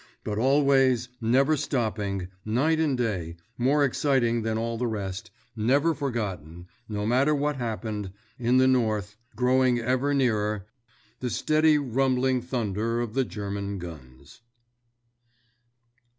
But always, never stopping, night or day, more exciting than all the rest, never forgotten, no matter what happened, in the north, growing ever nearer—the steady rumbling thunder of the German guns.